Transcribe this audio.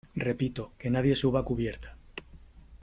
repito , que nadie suba a cubierta .